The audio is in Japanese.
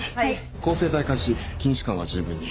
抗生剤開始筋弛緩は十分に。